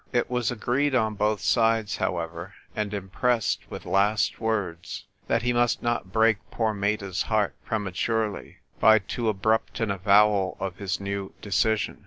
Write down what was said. It was agreed on both sides, however, and impressed with last words, that he must not break poor Meta's heart prema turely, by too abrupt an avowal of his new decision.